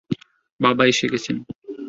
বাবা এসে গেছেন।